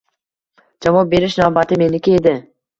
Javob berish navbati meniki edi